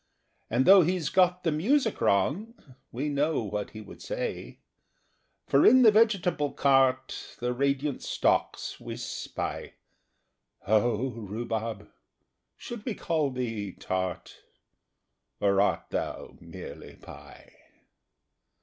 And, though he's got the music wrong, We know what he would say. For in the vegetable cart Thy radiant stalks we spy. O rhubarb, should we call thee tart, Or art thou merely pie?